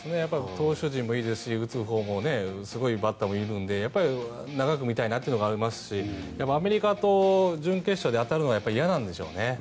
投手陣もいいですし打つほうもすごいバッターもいるので長く見たいなというのがありますしアメリカと準決勝で当たるのは嫌なんでしょうね。